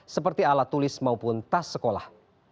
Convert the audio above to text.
seperti alat tulis maupun tas sekolah